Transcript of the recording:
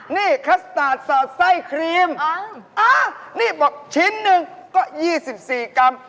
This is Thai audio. นี่คัสตาร์ทสอดไส้ครีมนี่บอกชิ้นหนึ่งก็๒๔กรัม